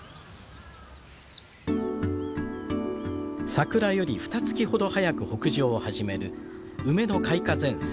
桜よりふた月ほど早く北上を始める梅の開花前線。